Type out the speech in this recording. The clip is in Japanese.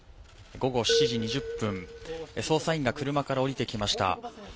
午後７時２０分、捜査員が車から降りてきました。